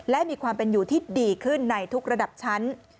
และมีความเป็นอยู่ที่ดีขึ้นในทุกระดับชั้น